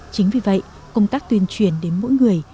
chính vì vậy công tác tuyên truyền đến mỗi người